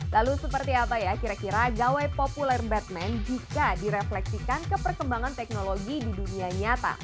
lalu seperti apa ya kira kira gawai populer batman jika direfleksikan ke perkembangan teknologi di dunia nyata